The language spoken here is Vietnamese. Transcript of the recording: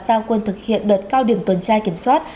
giao quân thực hiện đợt cao điểm tuần tra kiểm soát